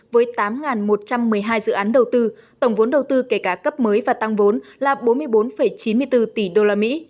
với tám một trăm một mươi hai dự án đầu tư tổng vốn đầu tư kể cả cấp mới và tăng vốn là bốn mươi bốn chín mươi bốn tỷ usd